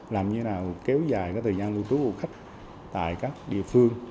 làm như thế nào kéo dài cái thời gian du lịch của khách tại các địa phương